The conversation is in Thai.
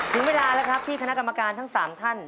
ถึงเวลาแล้วครับที่คณะกรรมการทั้ง๓ท่าน